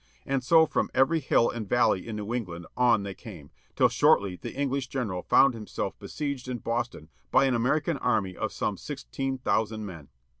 And so from every hill and valley in New England on they came, till shortly the English general foimd himself besieged in Boston by an American army of some sixteen thousand men.